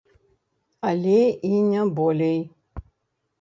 Але і не болей.